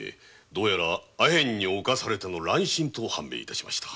どうやら阿片に冒されての乱心と判明しました。